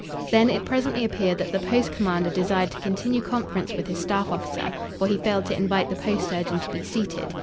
Then it presently appeared that the post commander desired to continue conference with his staff officer, for he failed to invite the post surgeon to be seated.